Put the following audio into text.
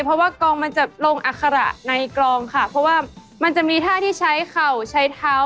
เพราะว่ากองมันจะลงอัคระในกรองค่ะเพราะว่ามันจะมีท่าที่ใช้เข่าใช้เท้า